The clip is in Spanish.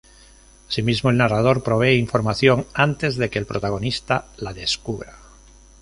Asimismo, el narrador provee información antes de que el protagonista la descubra.